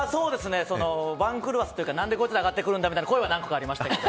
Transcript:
番狂わせというか何でこいつら上がってくるんだみたいな声はありましたけど。